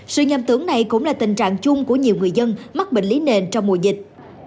sự nhầm tưởng này cũng là tình trạng chung của nhiều người dân mắc bệnh lý nền trong mùa dịch